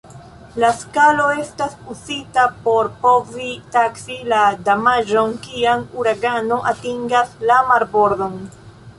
La skalo estas uzita por povi taksi la damaĝon kiam uragano atingas la marbordon.